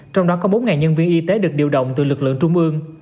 trong đó có bốn nhân viên y tế được điều động từ lực lượng trung ương